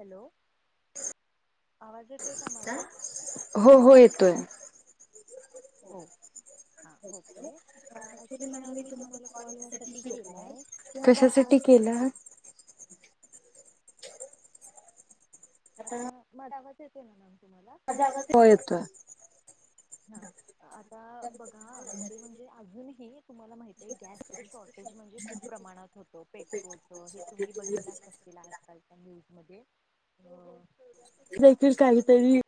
Hello. हो, हो येतोय. हो. हा ओके अं ऍक्च्युली मॅम मी तुम्हाला कॉल यासाठी केलाय, की आता आज [unintelligible] [inaudible] आता माझा आवाज येतोय ना मॅम? हो येतोय. हा आता बघा मध्ये म्हणजे अजूनही तुम्हाला माहित आहे गॅसचं शॉर्टेज म्हणजे खूप प्रमाणात होतं. पेट्रोलचं हे तुम्ही बघितलंच असे आजकालच्या न्यूज मध्ये अ बोलतील काहीतरी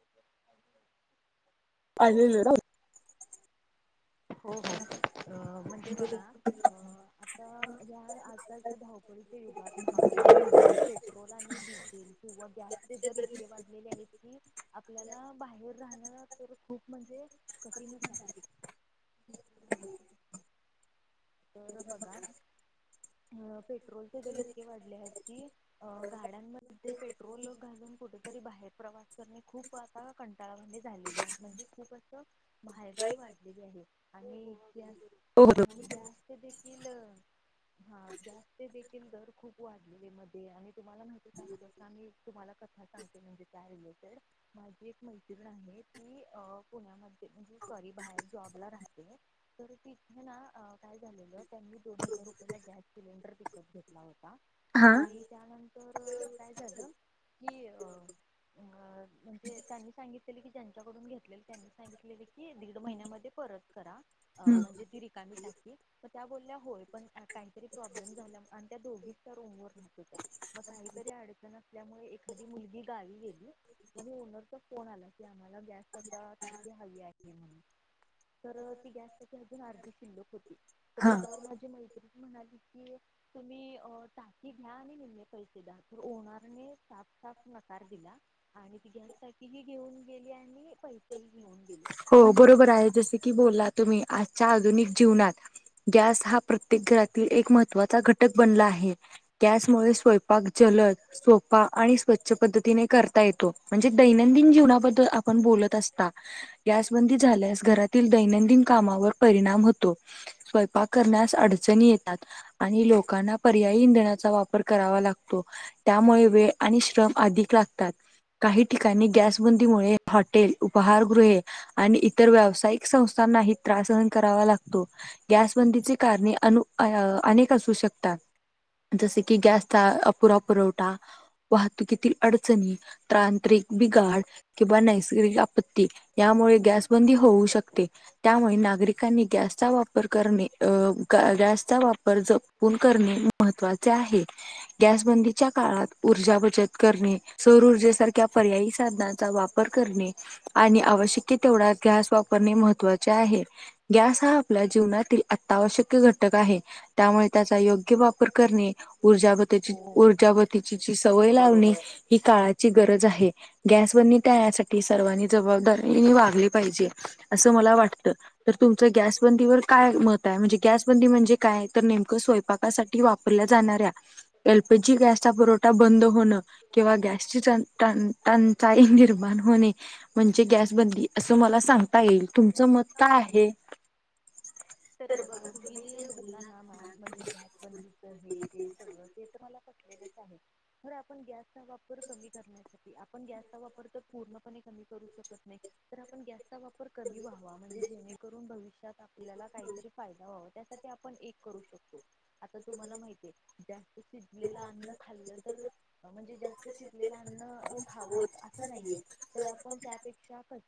[unintelligible] हो, हो अ म्हणजे बघा अ आता ह्या आजकालच्या धावपळीच्या युगात, महागाईच्या युगात पेट्रोल आणि डिझेल किंवा गॅसचे दर इतके वाढलेले आहेत की, आपल्याला बाहेर राहण तर खूप म्हणजे कठीणच आहे. [unintelligible] तर बघा. अ पेट्रोलचे दर इतके वाढले आहेत की, गाड्यांमध्ये पेट्रोल घालून कुठेतरी बाहेर प्रवास खूप आता कंटाळावाने झालेले आहेत म्हणजे खूप असं महागाई वाढलेली आहे आणि आणि गॅस देखील हा गॅसचे देखील दर खूप वाढलेले मध्ये आणि तुम्हाला माहित [unintelligible] आणि तुम्हाला ह सांगते म्हणजे त्या रिलेटेड माझी एक मैत्रीण आहे ती अ पुण्यामध्ये म्हणजे सॉरी बाहेर जॉबला राहते, तर तिथे ना अ काय झालेलं त्यांनी दोन हजार रुपयेला गॅस सिलेंडर विकत घेतला होता आणि त्यानंतर तर काय झालं कि अ अ म्हणजे त्यांनी सांगितलेल की ज्यांच्याकडून घेतले त्यांनी सांगितलेले की दीड महिन्यामध्ये प परत करा म्हणजे ती रिकामी टाकी मग त्या बोलल्या होय. पण काहीतरी प्रॉब्लेम झाला आणि त्या दोघीच त्या रूमवर रहात होत्या. मग काहीतरी अडचण असल्यामुळे एखादी मुलगी गावी गेली आणि ओनरचा फोन आला की आम्हाला गॅस आता टाकी हवी आहे म्हणून तर ती गॅस टाकी अर्धी अजून शिल्लक तर त्यावर माझी मै म्हणाली की तुम्ही अ टाकी घ्या आणि निम्मे पैसे द्या. तर ओनरने साफ साफ नकार दिला आणि ती गॅस टाकी ही घेऊन गेली आणि पैसेही घेऊन हो बरोबर आहे. जस की बोलला तुम्ही आज आधुनिक जीवनात गॅस हा प्रत्येक घरातील एक महत्त्वाचा घटक बनला आहे. त्याचमुळे स्वयंपाक जलद, सोपा आणि स्व पद्धतीने करता येतो. म्हणजे दैनंदिन जीवनाबद्दल आपण बोलत असता गॅसबंदी झाल्यास घरातील दैनंदिन कामावर परिणाम होतो. स्वयंपाक करण्यास अडच येतात. आणि लोकांना पर्यायी इंधनाचा वापर करावा लागतो, त्यामुळे वेळ आणि श्रम अधिक लाग तात. काही ठिकाणी गॅसबंदीमुळे हॉटेल, उपहारगृहे आणि इतर व्यावसायिक संस्थांनाही त्रास सहन करावा लागतो, गॅसबंदीचे कारणे अनु अ अनेक असू शकतात. जसे की गॅसचा पुरा पुरवठा, वाहतुकीतील अडचणी, तांत्रिक गाड किंवा नैसर्गिक आपत्ती त्यामुळे गॅस बंदी होऊ शकते, त्यामुळे नागरिकांनी गॅसचा वापर करणे अ गॅसचा वापर जपून करणे महत्त्वाचे आ आहे, गॅसबंदीच्या काळात ऊर्जा बचत करणे, सौरऊर्जेसारख्या पर्यायी साधनाचा वापर करणे, आणि आवश्य ते तेवढा गॅस वापरणे महत्वाचे आहे, गॅस हा आपल्या जीवनातील अत्यावश्यक घट टक आहे. त्यामुळे त्याचा योग्य वापर करणे, ऊर्जा व त्याची ऊर्जावतीची सवय लावणे, ही काळाची गरज आहे गॅस [unintelligible] त्यासाठी सर्वांनी जबाबदा नि वागले पाहिजे. असं मला वाटतं तर तुमचं गॅस बंदीवर काय मत आहे? म्हणजे गॅस बंदी म्हणजे काय? तर नेमकं स्वयंपाकासाठी वापरल्या जाणाऱ्या एलपीजी गॅसचा पुवठा बंद होणं, किंवा गॅसची टंनचा टंचाई निर्माण होणे, म्हणजे गॅस ची बंदी असं मला सांगता येईल. तुमचं मत काय आहे? तर बघा तुम्ही जे बोलला ना मॅम म्हणजे गॅस बंदीचं हे ते सगळं ते तर मला पटलेलंच आहे. तर आपण गॅस चा वापर कमी करण्यासाठी आपण गॅस चा वापर जर पू पूर्णपणे कमी करु शकत नाही. तर आपण गॅ चा वापर कमी व्हावा, म्हणजे जेणेकरून भविष्यात आपल्याला काहीतरी फायदा व्हा त्यासाठी आपण एक करू शकतो, आता तुम्हाला माहिती आहे जास्ति शिजलेले अन्न खाल्लं तर, म्हणजे जास्त शिजलेलं अन्न खावंच असं नाहीये. तर आपण त्यापेक्षा कस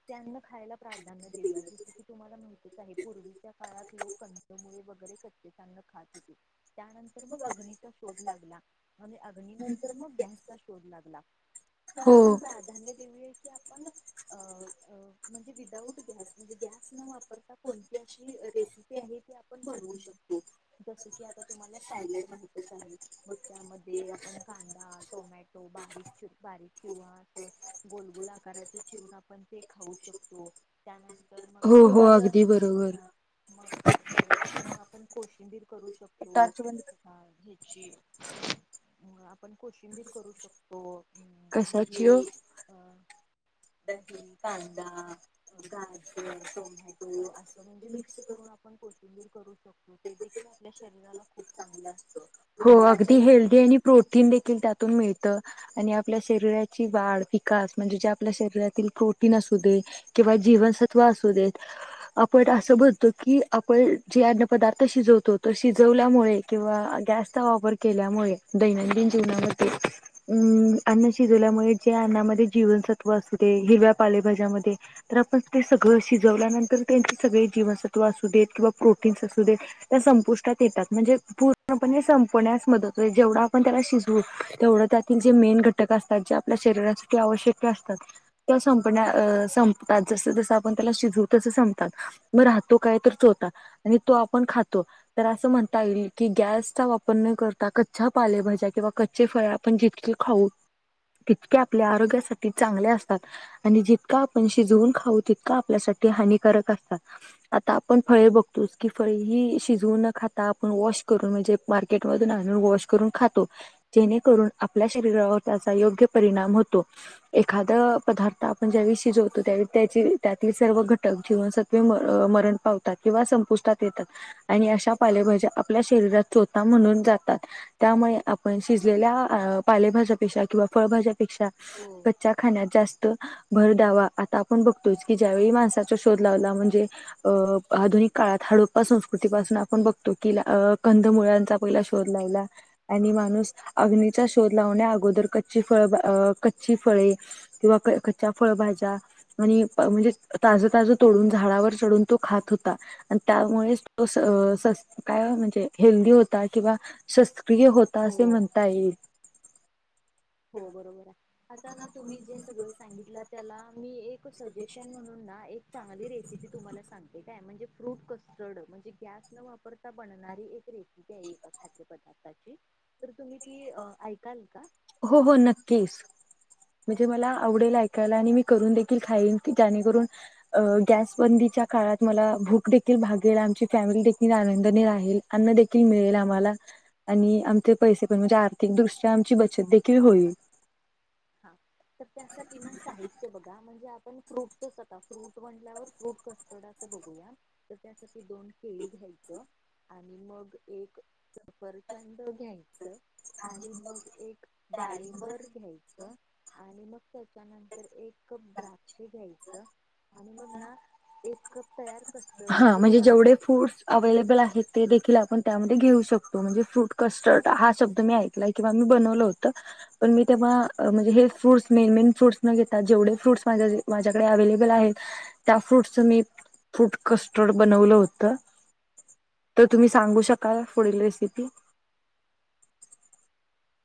खायला प्राधान्य देऊया, जसं की तुम्हाला माहितीच आहे पूर्वीच्या काळात लोक कन्दमुळे वगैरे कच्चेच अन्न खात होते. त्यांनतर मग अग्नीचा शो शोध लागला. आणि अग्नी नंतर मग गॅसचा शोध लागला. तर आपण प्राधान्य देऊया की आपण अ अ म्हणजे विदाऊट गॅस म्हणजे, गॅस न वापरता कोणती अशी अ रेसिपी आहे कि आपण बनवू शकतो, जसं की आता तुम्हाला सॅलेड माहिती आहे. आहे. मग त्यामध्ये आपण कांदा, टोमॅटो बारीक ची बारीक किंवा असं गोलगोल आकाराचे चिरून आपण ते खाऊ शकतो. त्यानंतर तर मग तुम्हाला ह मग बरोबर मग आपण कोशिंबीर करू शकतो. हा ठिक [unintelligible] आपण कोशिंबीर करू शकतो. दही अ दही, कांदा, गाजर, टोमॅटो असं म्हणजे मिक्सं करून आपण को कोशिंबीर करू शकतो. ते देखील आपल्या शरीराला खूप चांगलं असतं. हो अगदी हेल्दी आणि प्रोटीन देखील त्यातून मिळतं, आणि आपल्या शरीराची वाढ विकास म्हणजे जे आपल्या शरीरातील प्रोटीन असू दे किंवा जीवनसत्व असू दे आपण असं म्हणतो की, आपण जे अन्न पदार्थ शिजवतो तर शिजवल्यामुळे किंवा जास्त वापर केल्यामुळे, दैनंदिन जीवनामध्ये म अन्न शिजवल्यामुळे जे अन्नामध्ये जीवनसत्व असते ते हिरव्या पालेभाज्यामध्ये तर आपण ते सगळं शिजवल्यानंतर त्यांचे सगळे जीवनसत्व असू देत किंवा प्रोटीन्स असू देत या स संपुष्टात येतात. म्हणजे पूर्णपणे संपण्यास मदत हो जेवढं आपण त्याला शिजवू तेवढं त्याचा जे मेन घटक असतात जे आपल्या शरीरासाठी आवश्य श्यक असतात. त्या संपन्या अ संपतात जसं जसं आपण त्याला शिजवू तसं संपतात. बर तो काय तर चोता, आणि तो आपण खातो, तर असं म्हणता येईल की गॅसचा वापर न कर कच् पालेभज्या किंवा कच्चे फळे आपण जितके खाऊ तितके आपल्या आरोग्यासाठी चांगल्या असतात आणि जितका आपण शिजवून खाऊ तितका आपल्यासाठी हानिकारक असतात आता आपण फळे बघतोस की फळे ह शिजवू न खाता आपण वॉश करून म्हणजे मार्केटमधून वॉश करून खातो जेणेकरून आपल्या शरीरावर त्याचा योग्य परिणाम होतो एखाद पदार्थ आपण ज्यावेळी शिजवतो त्यावेळी त्या त्यातील सर्व घटक जीवनसत्वे मरण पावतात किंवा संपुष्टात येतात आणि अशा पालेभाज्या आपल्या शरीरात चोथा म्हणून जातात त्यामुळे आपण शिजलेल्या अ पालेभाज्यापेक्षा किंवा फळभाज्यापेक्षा कच्च्या खाण्यात जास्त भर द्यावा आता बघतोच की ज्यावेळी माणसाचा शोध लागला म्हणजे आधुनिक काळात हड्डाप्पा संस्कृती पासून आपण बघतो की कंद मुळा चा पहिला शोध लावला आणि माणूस अग्नीचा शोध लावण्यात आघुदर कच फ कच् फळे किंवा कच् फळभजा लावण्या अगोदर कच्चे म्हणजे ताज ताज तोडून झाडावर चढून तो खात होता आणि त्यामुळे तो काय म्हणजे हेल्दी होता किंवा शस्तक्रिय होता असे म्हणता येईल [inaudible] ह हो बरोबर आहे आता ना तुम्ही जे सगळं सांगितलं त्याला मी एक सजेशन म्हणून ना चांगली रेसिपी तुम्हाला सांगते काय म्हणजे फ्रूट कस्टर्ड म्हणजे गॅस न वापरता बनणारी एक रेसिपी आहे एका खाद्यपदार्थ तर तुम्ही ती ऐकाल का हो हो नक्कीच म्हणजे मला आवडेल ऐकायला आणि मी करून दे खाईन जणेकरून गॅस बंद च्या काळात मला भूक देखील भागेल आमची फॅमिली देखील आनंद रा अन्न देखील मिळेल आम्हाला आणि आमचे पैसे पण म्हणजे आर्थिकदृष्ट्या आमची बचत देखील होईल हा तर त्यासाठी ना साहित्य बघा म्हणजे आपण फ्रूट फट ंल्यावर फ्रूट कस्टर्ड अस बघूया तर त्यासाठी दोन केळी घ्यायच आणि म मग एक च घ्यायच आणि मग एक डाळिंबर घ्यायचं आणि मग त्याच्यानंतर एक कप द्राक्ष घ्यायचं आणि मग ना एक कप तयार हा म्हणजे जेवढे फ्रूटस अवेलेबल आहेत ते देखील आपण त्यामध्ये घेऊ शकतो म्हणजे फूट कस्टर्ड हा शब् मी ऐला कि मी बनवलं होत पण मी हा म्हणजे ही फ्रूटस म्हणजे मेन मेन फ्रूटस न घेता जेवढे फ्रूट माझ्याकडे अवेलेबल आहेत त्या फ्रूट च मी फ्रूट कस्टर्ड बनवलं होत तर तुम्ही सांगू शकाल पुढील रेसिपी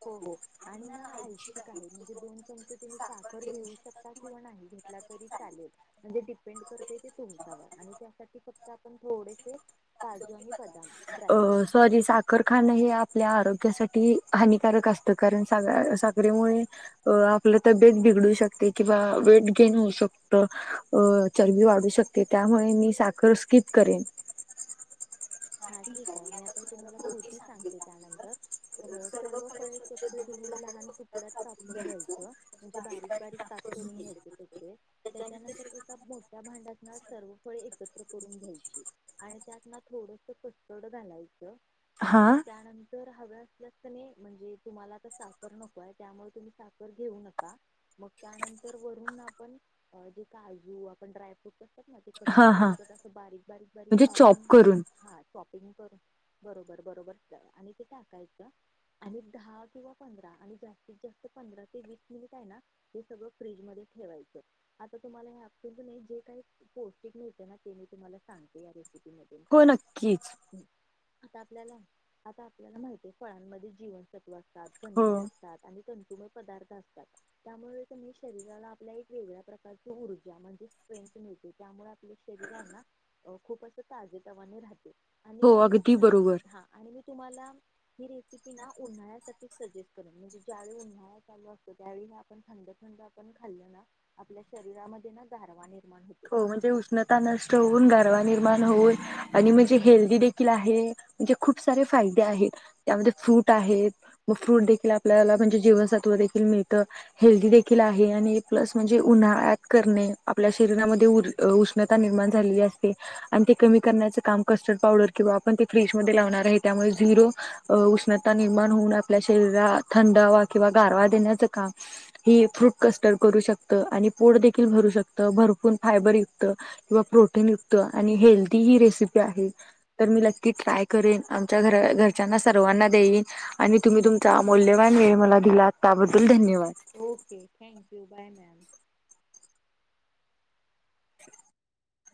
हो हो आणि ना ऐच्छिक आहे म्हणजे दोन चमचे तुम्ही साखर घेऊ शकता किंवा नाही म्हंटला तरी चालेल म्हणजे डिपेंड करते की तुमच्यावर आणि त्यासाठी फक्त आपण थोडे अ सॉरी साखरखाणं हे आपल्या आरोग्यासाठी हानिकारक असत कारण सा साखरेमुळे आपलं तब्येत बिघडू शकते किंवा वेट गेन होऊ शकत चरबी वाढू शकते त्या त्यामुळे मी साखर स्किप करेन ह हा ठीक आहे मी आपण तुम्हाला कृती सांगते त्यानंतर अ सर्व फळे स्वच्छ धु लहान तुकड्यात कापून घ्यायचं म्हणजे बारीक बारीक तप करून घ्यायच त्याचे त्याच्यानंतर एका मोठ्या भांडतणार सर्व फळे एकत्र करून घ्यायची आणि त्यातना थोडस कस्ड घालायची आणि मग त्यानंतर हव असल्यास नाही म्हणजे तुम्हाला आता साखर नको आहे त्यामुळे तुम्ही साखर घेऊ नका मग त्यानंतर वरून आपण जे काजू आपण ड्रायफ्रूट ना ते कटकट करटतत असं बारीक बारीक बारीक कापून शॉपिंग करू बरोबर बरोबर आणि ते टाकायचं आणि दहा किंवा पंधरा त जात पं ते व मि हे सगळ फजेयच आता तु ु जे काही पौष्टिक मिळते ना ते मी तुम्हाला सांगते या रेसिपी मधून का? कीच आता आपल्याला आता आपल्याला माहित आहे फळांमध्ये जीवनसत्व असतात खनिजे असतात आणि तंतुम पदार्थ असतात त्यामुळे शरीराला आपल्या एक वेगळ्या प्रकारची ऊर्जा म्हणजे त्यामुळे आप शरी खूप ताजने रा आणि मी तुम्हाला ही रेसिपी ना उल्हाळ्यासाठी आपथंडथण खाल्. शरीरामध्ये ना ारवा न हो म्हणजे उष्णता नष्ट होऊन गर्वा निर्माण होऊन आणि म्हणजे हेल्दी देखील आहे म्हणजे खूप सारे फायदे आहेत त्यामध्ये फ्रूट आहेत. फ्रूट देखील आपल्याला म्हणजे जीवनसत्व देखील मिळतं हेल्दी देखील आहे आणि प्लस म्हणजे उन [unintelligible] का कड? फ्रीज म ला आहे त्यामुळे झरो उष्णता निर्माण होणार. आपल्या शरीराला थंडवा किंवा गारवा देण्याच काम ह फ्रूट कस्टर्ड करू शकत आणि पोड देखील भरू शक. भरपूर फायबर युक्त किंवा प्रोटीन युक्त आणि हेल्दी ही रेसिपी आहे. ट्राय कर आमच्या घरच्या सर्वांना देई. तुम्ही तुमचा मौल्यवान वेळ मला दिला त्याबद्दल धन्यवाद.